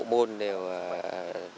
tất cả các bộ môn đều tất cả các bộ môn đều